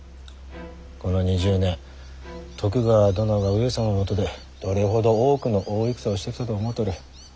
この２０年徳川殿が上様のもとでどれほど多くの大戦をしてきたと思うとる？